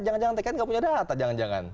jangan jangan tkn nggak punya data jangan jangan